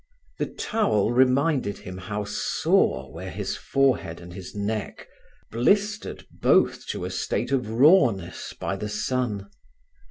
The towel reminded him how sore were his forehead and his neck, blistered both to a state of rawness by the sun.